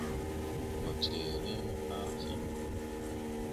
Mo jerre rĩĩ ma fîi.